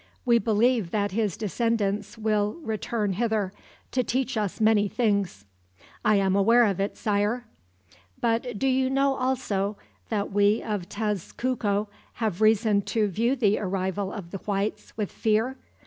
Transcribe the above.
We believe that his descendants will return hither, to teach us many things." "I am aware of it, Sire." "But do you know, also, that we of Tezcuco have reason to view the arrival of the Whites with fear?